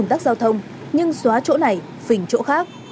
ổn tắc giao thông nhưng xóa chỗ này phỉnh chỗ khác